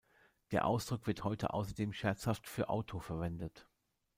Der Ausdruck wird heute außerdem scherzhaft für „Auto“ verwendet.